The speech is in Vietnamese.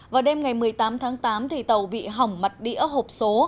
vào đêm ngày một mươi tám tháng tám tàu bị hỏng mặt đĩa hộp số